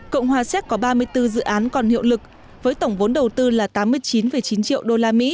cộng hòa séc có ba mươi bốn dự án còn hiệu lực với tổng vốn đầu tư là tám mươi chín chín triệu usd